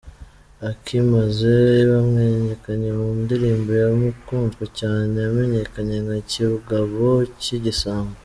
Abakimaze bamenyekanye mu ndirimbo yakunzwe cyane yamenyekanye nka “Ikigabo cy’igisambo”.